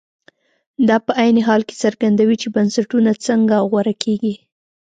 دا په عین حال کې څرګندوي چې بنسټونه څنګه غوره کېږي.